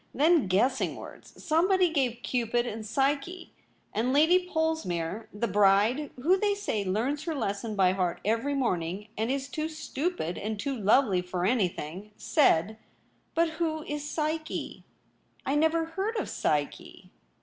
Then guessing words : somebody gave Cupid and Psyche, and Lady Polesmere — the bride — who they say learns her lesson by heart every morning, and is too stupid and too lovely for anything, said, " But who is Psyche ? I never heard of Psyche."